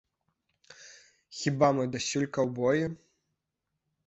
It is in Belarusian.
Хіба мы дасюль каўбоі?